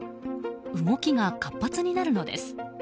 動きが活発になるのです。